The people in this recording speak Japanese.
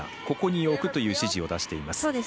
ここに置くという指示を出しています。